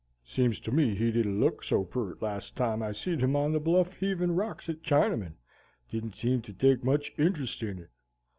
Seems to me he didn't look so peart last time I seed him on the bluff heavin' rocks at Chinamen. Didn't seem to take much interest in it.